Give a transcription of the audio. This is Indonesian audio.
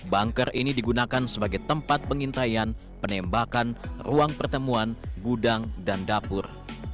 bunker ini digunakan sebagai tempat pengintaian penembakan ruang pertemuan gudang dan dapur